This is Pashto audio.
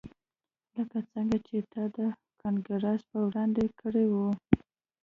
لکه څنګه چې تا د کانګرس په وړاندې کړي وو